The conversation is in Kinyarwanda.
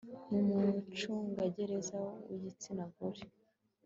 n umucungagereza w igitsina gore